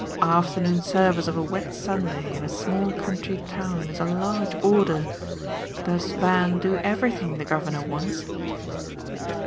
"Afternoon service of a wet Sunday in a small country town is a large order. Does Van do everything the governor wants?"